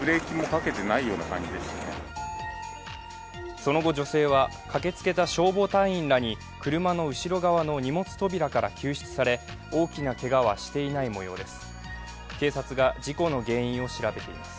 その後女性は駆けつけた消防隊員らに車の後ろ側の荷物扉から救出され大きなけがはしていないもようです。